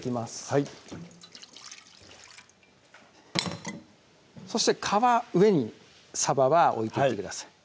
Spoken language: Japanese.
はいそして皮上にさばは置いていってください